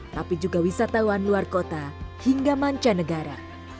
tapi juga wisatawan luar kota hingga manca negara